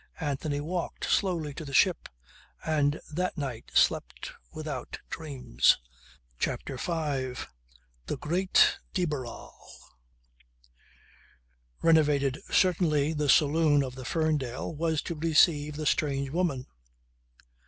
Anthony walked slowly to the ship and that night slept without dreams. CHAPTER FIVE THE GREAT DE BARRAL Renovated certainly the saloon of the Ferndale was to receive the "strange woman."